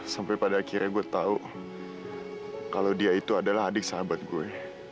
sampai pada akhirnya gue tahu kalau dia itu adalah adik sahabat gue